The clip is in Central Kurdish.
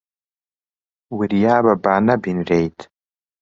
وریا بە با نەبینرێیت.